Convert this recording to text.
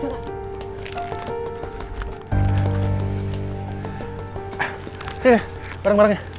oke bareng barengnya